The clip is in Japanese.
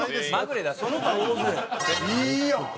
いいやん！